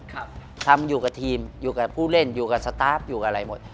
ทำอยู่กับทีมอยู่กับผู้เล่นอยู่กับสตาร์ฟอยู่กับอะไรหมด